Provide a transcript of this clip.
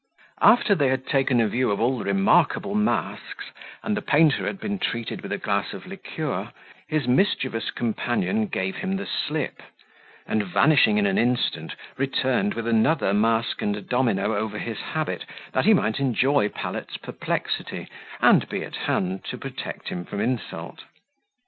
After they had taken a view of all the remarkable masks, and the painter had been treated with a of glass of liqueur, his mischievous companion gave him the slip; and, vanishing in an instant, returned with another mask and a domino over his habit, that he might enjoy Pallet's perplexity, and be at hand to protect him from insult.